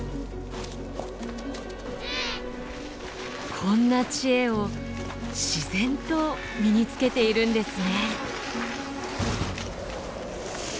こんな知恵を自然と身につけているんですね。